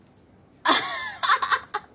アハハハハ！